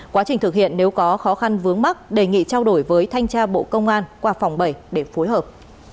quá trình thực hiện nếu có khó khăn vướng mắt đề nghị trao đổi với thanh tra bộ công an qua phòng bảy để phối hợp